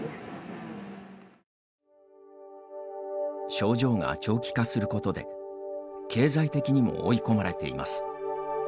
症状が長期化することで経済的にも追い込まれています。